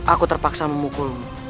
aku terpaksa memukulmu